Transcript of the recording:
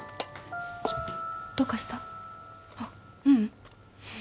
あっ、ううん。